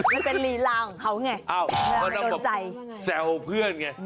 มันเป็นลีลาของเขาไงแซวเพื่อนไง